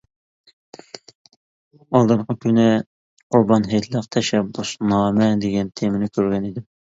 ئالدىنقى كۈنى ‹ ‹قۇربان ھېيتلىق تەشەببۇسنامە› › دېگەن تېمىنى كۆرگەن ئىدىم.